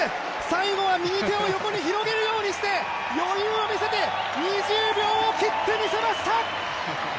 最後は右手を横に広げるように余裕を見せて、２０秒を切ってみせました。